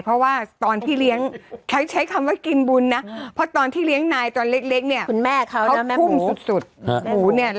เพราะว่าตอนที่เลี้ยงใช้ใช้คำว่ากินบุญน่ะเพราะตอนที่เลี้ยงนายตอนเล็กเล็กเนี้ย